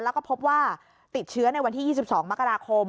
แล้วก็พบว่าติดเชื้อในวันที่๒๒มกราคม